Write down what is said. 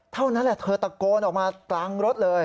เท่านั้นแหละเธอตะโกนออกมากลางรถเลย